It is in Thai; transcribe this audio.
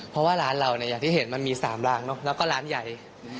เพราะว่าร้านเราอยากที่เห็นมันมี๓ร้างแล้วก็ร้านใหญ่